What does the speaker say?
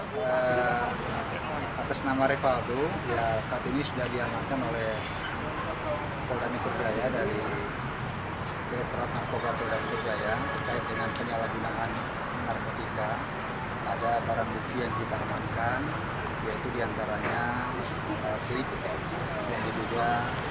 pada saat ini di rumah tahanan r tiga ada barang bukti yang diperbankan yaitu diantaranya klip yang dibuka